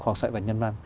học sợi và nhân văn